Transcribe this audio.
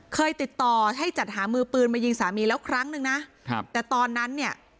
เคยติดต่อให้จัดหามือปืนมายิงสามีแล้วครั้งหนึ่งนะครับแต่ตอนนั้นเนี่ย